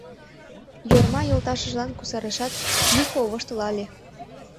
Йорма йолташыжлан кусарышат, Юхо воштылале: